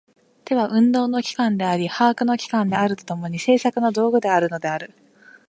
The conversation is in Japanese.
手は運動の機関であり把握の機関であると共に、製作の道具であるのである。